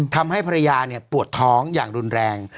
ทำให้ภรรยาปวดท้องอย่างรุนแรง